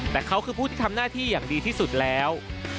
แต่เขาคือผู้ที่ทำหน้าที่อย่างดีที่สุดแล้ว